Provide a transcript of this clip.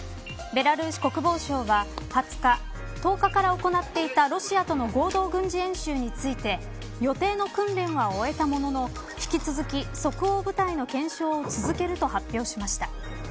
ベラルーシ国防省は２０日１０日から行っていたロシアとの合同軍事演習について予定の訓練は終えたものの引き続き、即応部隊の検証を続けると発表しました。